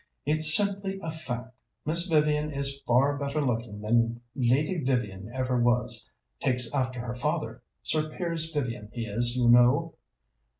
"It's simply a fact. Miss Vivian is far better looking than Lady Vivian ever was. Takes after her father Sir Piers Vivian he is, you know."